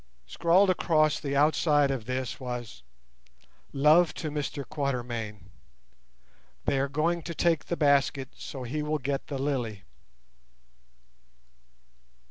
Scrawled across the outside of this was "Love to Mr Quatermain. They are going to take the basket, so he will get the lily."